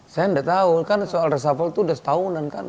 saya nggak tahu kan soal reshuffle itu sudah setahunan kan